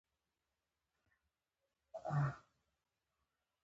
له علومو سره محض سیاسي چلند شوی.